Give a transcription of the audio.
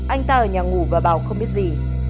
anh ta ở nhà ngủ và bảo không biết gì